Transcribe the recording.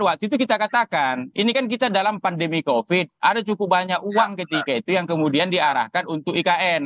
waktu itu kita katakan ini kan kita dalam pandemi covid ada cukup banyak uang ketika itu yang kemudian diarahkan untuk ikn